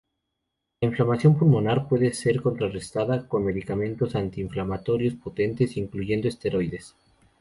La inflamación pulmonar puede ser contrarrestada con medicamentos antiinflamatorios potentes, incluyendo esteroides.